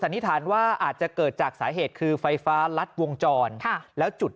นิษฐานว่าอาจจะเกิดจากสาเหตุคือไฟฟ้ารัดวงจรแล้วจุด